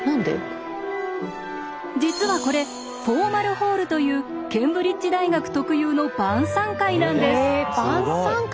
実はこれフォーマルホールというケンブリッジ大学特有の晩さん会なんです！